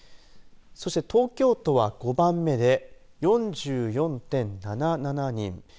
そして、東京都は５番目で４４．７７人。